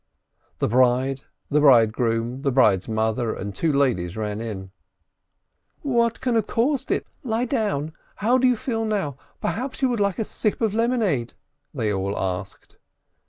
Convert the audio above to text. The bride, the bridegroom, the bride's mother, and the two ladies ran in: A GLOOMY WEDDING 103 "What can have caused it ? Lie down ! How do you feel now ? Perhaps you would like a sip of lemonade ?" they all asked.